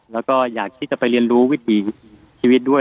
แล้วก็อยากที่จะไปเรียนรู้วิถีชีวิตด้วย